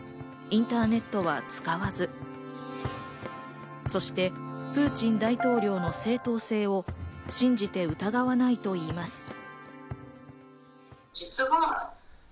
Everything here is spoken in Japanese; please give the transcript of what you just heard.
インターネットは使わず、そしてプーチン大統領の正当性を信じて疑わないといいます。